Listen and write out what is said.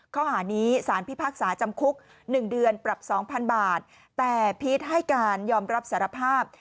ข้อหานี้สารพิพากษาจำคุก๑เดือนปรับ๒๐๐๐บาทแต่พีชให้การยอมรับสารภาพ